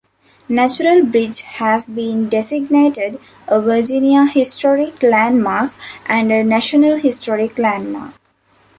Natural Bridge has been designated a Virginia Historic Landmark and a National Historic Landmark.